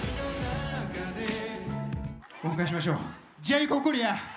お迎えしましょうジェイコブ・コリアー！